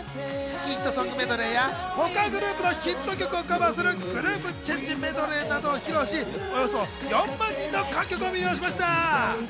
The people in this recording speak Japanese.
ヒットソングメドレーや他グループのヒット曲をカバーするグループチェンジメドレーなどを披露し、およそ４万人の観客を魅了しました。